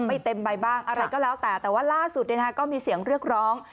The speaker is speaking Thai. เต็มใบบ้างอะไรก็แล้วแต่แต่ว่าล่าสุดก็มีเสียงเรียกร้อง